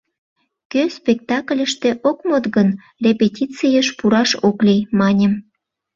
— Кӧ спектакльыште ок мод гын, репетицийыш пураш ок лий! — маньым.